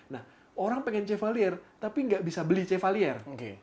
nah orang pengen chevalier tapi nggak bisa beli chevalier